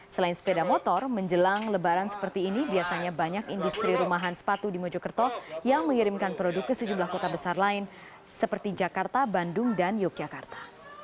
selain sepeda motor menjelang lebaran seperti ini biasanya banyak industri rumahan sepatu di mojokerto yang mengirimkan produk ke sejumlah kota besar lain seperti jakarta bandung dan yogyakarta